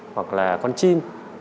hoặc là con chim